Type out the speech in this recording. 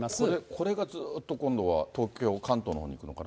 これがずっと今度は東京、関東のほうに行くのかな？